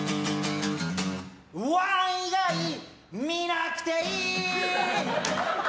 １以外、見なくていい！